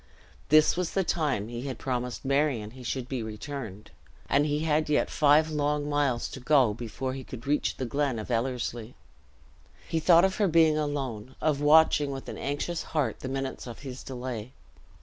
This was the time he had promised Marion he should be returned, and he had yet five long miles to go, before he could reach the glen of Ellerslie; he thought of her being alone of watching, with an anxious heart, the minutes of his delay.